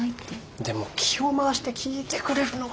でも気を回して聞いてくれるのが総務でしょ。